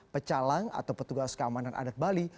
pecalang atau petugas keamanan adat bali